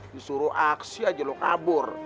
disuruh aksi aja lo kabur